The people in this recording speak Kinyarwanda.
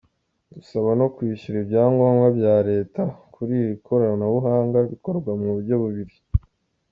Gusaba no kwishyura ibyangombwa bya Leta kuri iri koranabuhanga, bikorwa mu buryo bubiri.